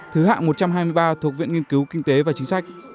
thứ hạng một trăm hai mươi ba thuộc viện nghiên cứu kinh tế và chính sách